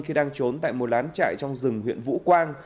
khi đang trốn tại một lán trại trong rừng huyện vũ quang